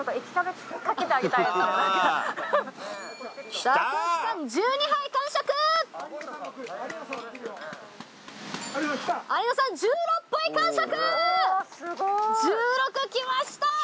１６きました！